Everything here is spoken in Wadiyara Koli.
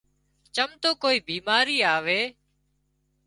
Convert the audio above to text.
چم تو ڪوئي ٻيماري آوي